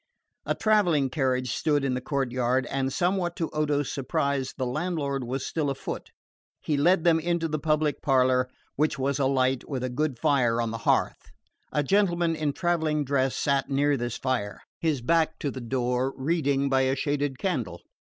A travelling carriage stood in the courtyard, and somewhat to Odo's surprise the landlord was still afoot. He led them into the public parlour, which was alight, with a good fire on the hearth. A gentleman in travelling dress sat near this fire, his back to the door, reading by a shaded candle.